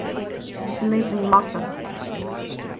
She lived in Boston.